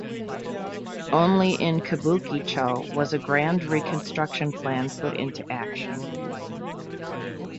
Only in Kabuki-cho was a grand reconstruction plan put into action.